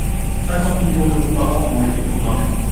cinquante millions d’euros par an ont été programmés.